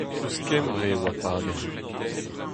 Eus Kembre e oa Padern.